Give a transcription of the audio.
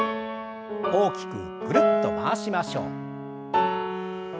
大きくぐるっと回しましょう。